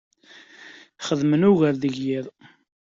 Xeddmen ugar deg yiḍ.